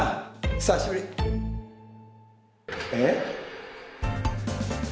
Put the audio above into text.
久しぶりえっ？